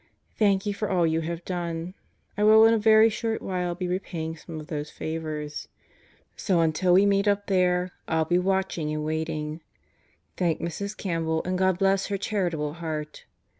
Thank you for all you have done. I will in a very short while be repaying some of those favors. So until we meet up there I'll be watching and waiting. Thank Mrs. Campbell and God bless her charitable heart.